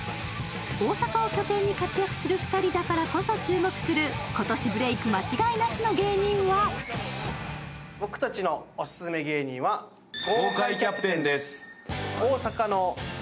大阪を拠点に活躍する２人だからこそ注目する、今年ブレーク間違いなしの芸人は僕たちのオススメ芸人は豪快キャプテンです。